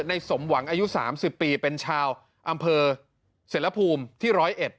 สมหวังอายุ๓๐ปีเป็นชาวอำเภอเสรภูมิที่๑๐๑